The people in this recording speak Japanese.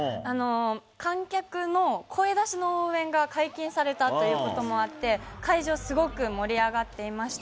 観客の声出しの応援が解禁されたということもあって、会場、すごく盛り上がっていました。